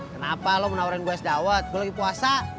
kenapa lo menawarin gue es dawet gue lagi puasa